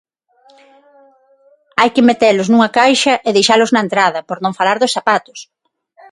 Hai que metelos nunha caixa e deixalos na entrada, por non falar dos zapatos.